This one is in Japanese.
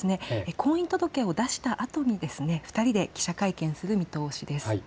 婚姻届を出したあとに２人で記者会見する見通しです。